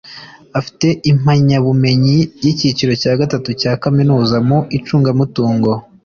Afite impamyabumenyi y’icyiciro cya Gatatu cya Kaminuza mu icungamutungo